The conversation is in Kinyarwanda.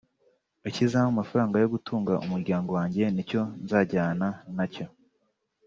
ikizampa amafaranga yo gutunga umuryango wanjye nicyo nzajyana nacyo